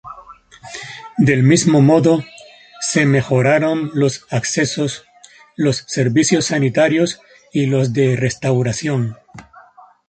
Del mismo modo, se mejoraron los accesos, los servicios sanitarios y los de restauración.